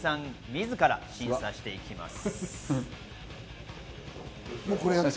自ら審査していきます。